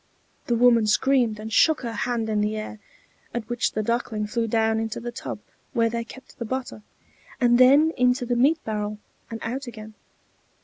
The woman screamed and shook her hand in the air, at which the Duckling flew down into the tub where they kept the butter, and then into the meal barrel and out again.